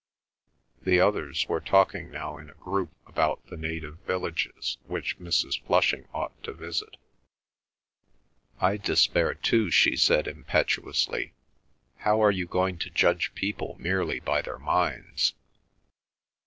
The others were talking now in a group about the native villages which Mrs. Flushing ought to visit. "I despair too," she said impetuously. "How are you going to judge people merely by their minds?"